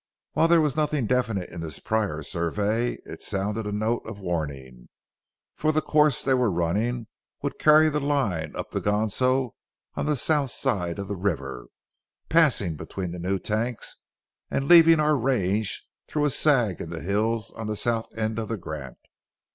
While there was nothing definite in this prior survey, it sounded a note of warning; for the course they were running would carry the line up the Ganso on the south side of the river, passing between the new tanks, and leaving our range through a sag in the hills on the south end of the grant.